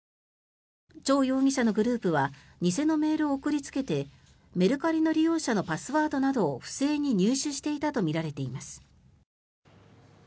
チョウ容疑者のグループは偽のメールを送りつけてメルカリの利用者のパスワードなどを不正に入手していたとみられています。